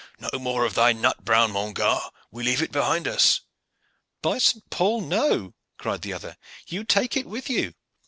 "No more of thy nut brown, mon gar. We leave it behind us." "By St. Paul, no!" cried the other. "You take it with you.